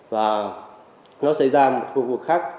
và nó xảy ra một khu vực khác